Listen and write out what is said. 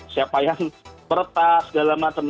siapa yang meretas segala macam